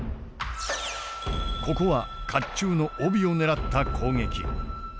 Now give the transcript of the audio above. ここは甲冑の帯を狙った攻撃。